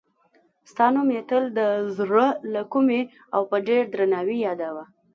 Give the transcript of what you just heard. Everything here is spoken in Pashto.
ستا نوم یې تل د زړه له کومې او په ډېر درناوي یادوه.